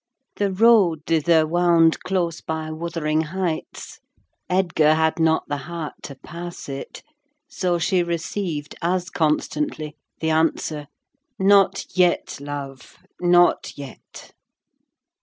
The road thither wound close by Wuthering Heights. Edgar had not the heart to pass it; so she received as constantly the answer, "Not yet, love: not yet."